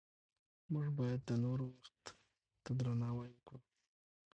موږ باید د نورو وخت ته درناوی وکړو